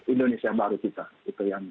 indonesia baru kita gitu yang